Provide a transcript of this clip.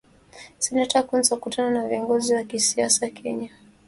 Seneta Coons akutana na viongozi wa kisiasa Kenya